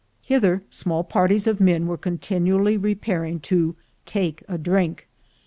Hither small parties of men are continually repair ing to "take a drink."